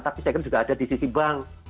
tapi saya kira juga ada di sisi bank